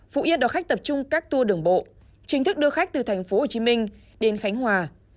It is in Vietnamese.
phú yên đón khách tập trung các tour đường bộ chính thức đưa khách từ tp hcm đến khánh hòa